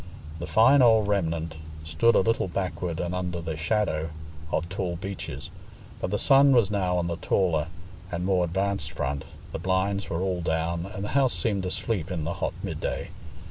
The fine old remnant stood a little backward and under the shadow of tall beeches, but the sun was now on the taller and more advanced front, the blinds were all down, and the house seemed asleep in the hot midday.